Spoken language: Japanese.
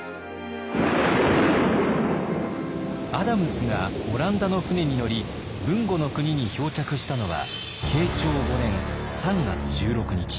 アダムスがオランダの船に乗り豊後国に漂着したのは慶長５年３月１６日。